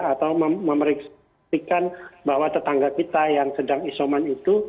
atau memeriksakan bahwa tetangga kita yang sedang isoman itu